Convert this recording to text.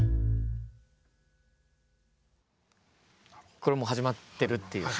これもう始まってるっていう。